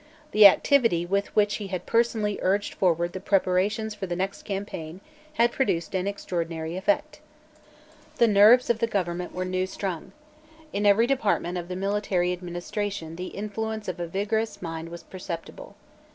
The activity with which he had personally urged forward the preparations for the next campaign had produced an extraordinary effect. The nerves of the government were new strung. In every department of the military administration the influence of a vigorous mind was perceptible.